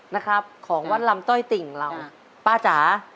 นะครับของวัดลำต้อยติ่งเราป้าจ๋า